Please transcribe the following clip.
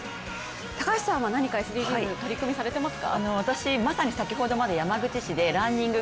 高橋さんは何かＳＤＧｓ取り組みされていますか？